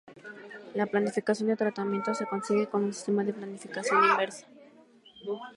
La planificación de tratamiento se consigue con un sistema de planificación inversa.